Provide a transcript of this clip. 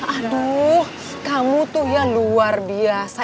aduh kamu tuh yang luar biasa